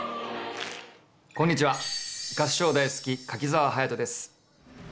こんにちは合唱大好き柿澤勇人です。